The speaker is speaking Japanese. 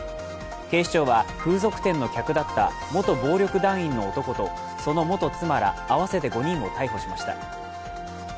警視庁は風俗店の客だった元暴力団組員の男とその元妻ら合わせて５人を逮捕しました。